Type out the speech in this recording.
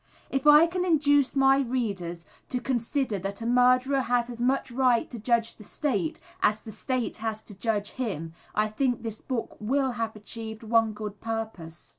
If I can induce my readers to consider that a murderer has as much right to judge the State as the State has to judge him, I think this book will have achieved one good purpose.